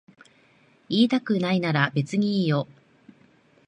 言いたくないなら別にいいよ。